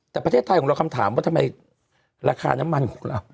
แต่ประเทศไทยของเราคำถามว่าทำไมราคาน้ำมันของเรา